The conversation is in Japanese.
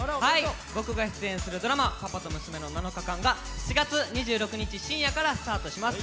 僕が出演するドラマ「パパとムスメの７日間」が７日２６日からスタートします。